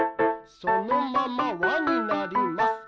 そのままわになります。